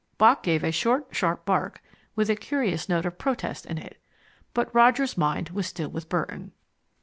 Bock gave a short, sharp bark, with a curious note of protest in it. But Roger's mind was still with Burton.